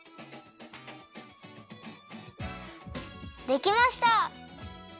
できました！